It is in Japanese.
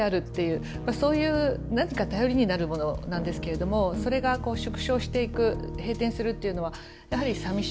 そういう何て言うか頼りになるものなんですけれどもそれが縮小していく閉店するっていうのはやはりさみしい。